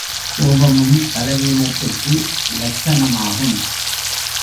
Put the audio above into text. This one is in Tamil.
கோபமும் பலவீனத்துக்கு லட்சணமாகும்.